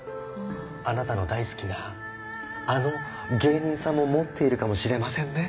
あなたの大好きなあの芸人さんも持っているかもしれませんね。